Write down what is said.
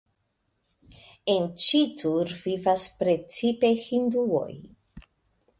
En Ĉittur vivas precipe hinduoj.